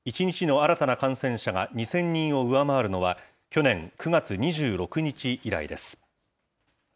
１日の新たな感染者が２０００人を上回るのは、去年９月２６日以来です。